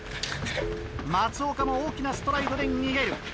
松岡も大きなストライドで逃げる。